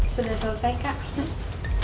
sudah selesai kak